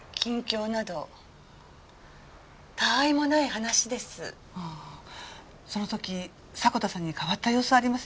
その時迫田さんに変わった様子はありませんでしたか？